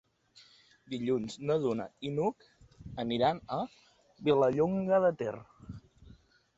Dilluns na Duna i n'Hug aniran a Vilallonga de Ter.